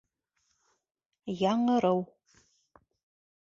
ЯҢЫРЫУ